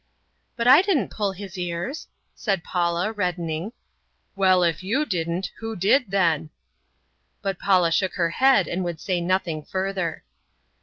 "But I didn't pull his ears," said Paula, reddening. "Well, if you didn't, who did, then?" But Paula shook her head and would say nothing further.